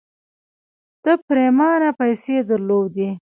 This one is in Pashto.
ده پرېمانه پيسې درلودې.